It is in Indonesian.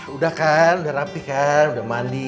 udah kan udah rapi kan udah mandi